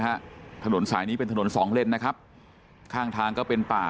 ฮะถนนสายนี้เป็นถนนสองเลนนะครับข้างทางก็เป็นป่า